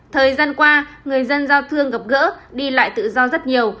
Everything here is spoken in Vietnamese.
thời gian qua người dân giao thương gặp gỡ đi lại tự do rất nhiều